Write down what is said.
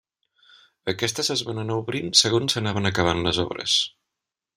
Aquestes es van anar obrint segons s'anaven acabant les obres.